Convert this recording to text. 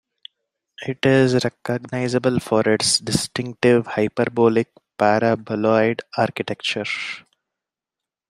It is recognizable for its distinctive hyperbolic paraboloid architecture.